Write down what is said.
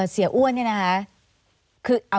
เสียอ้วนเนี่ยนะคะ